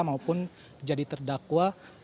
maupun jadi terdakwa